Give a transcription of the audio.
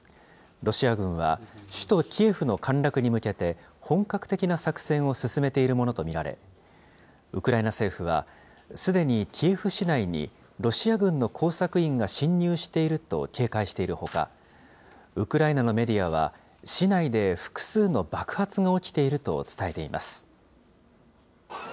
ロシア軍は首都キエフの陥落に向けて、本格的な作戦を進めているものと見られ、ウクライナ政府は、すでにキエフ市内に、ロシア軍の工作員が侵入していると警戒しているほか、ウクライナのメディアは、市内で複数の爆発が起きていると伝えています。